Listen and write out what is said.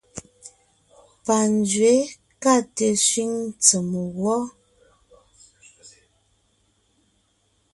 Panzwě ka te sẅíŋ tsèm wɔ.